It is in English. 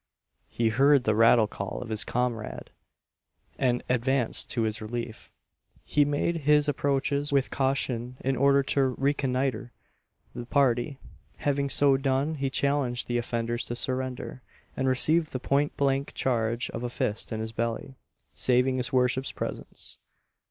He heard the rattle call of his comrade, and advanced to his relief he made his approaches with caution in order to reconnoitre the party having so done, he challenged the offenders to surrender, and received the point blank charge of a fist in his belly saving his worship's presence.